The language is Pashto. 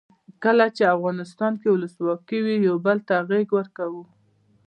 کله چې افغانستان کې ولسواکي وي یو بل ته غیږ ورکوو.